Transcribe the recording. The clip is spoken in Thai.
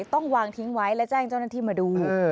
ต้องวางทิ้งไว้และแจ้งเจ้าหน้าที่มาดู